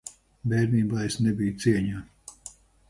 Bērnībā es nebiju cieņā.